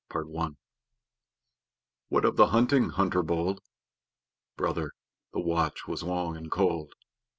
Tiger!" What of the hunting, hunter bold? Brother, the watch was long and cold.